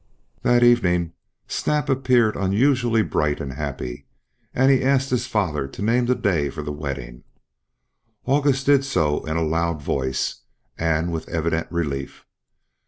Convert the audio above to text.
That evening Snap appeared unusually bright and happy; and he asked his father to name the day for the wedding. August did so in a loud voice and with evident relief.